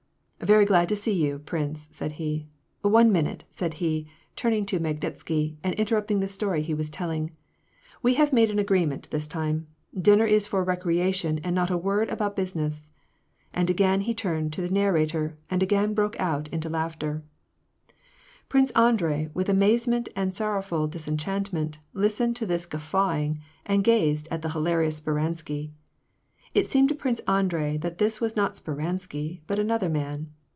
" Very glad to see you, prince,'' said he. " One minute," said he, turning to Magnitsky, and interrupting the story be was telling. '^ We have made an agreement this time : dinner is for recreation, and not a word about business." And again he turned to the narrator, and again broke out into laughter. Prince Andrei, with amazement and sorrowful disenchant ment, listened to this guffawing, and gazed at the hilarious Spei^ansky. It seemed to Prince Andrei that it was not Sper ansky, but another man.